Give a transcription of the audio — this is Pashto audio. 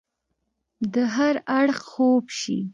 د هر اړخ خوب شي